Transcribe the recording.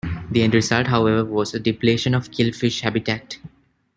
The end result, however, was a depletion of killifish habitat.